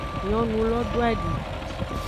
Nyongulo doadi.